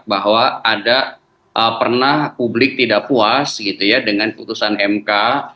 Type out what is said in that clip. bahwa ada pernah publik tidak puas gitu ya dengan putusan mk